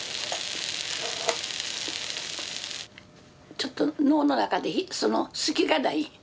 ちょっと脳の中でその隙がない。